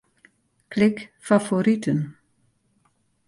Klik Favoriten.